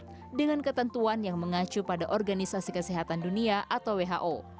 soal positivity rate dengan ketentuan yang mengacu pada organisasi kesehatan dunia atau who